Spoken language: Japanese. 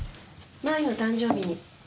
麻衣の誕生日に。